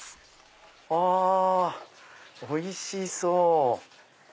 おいしそう。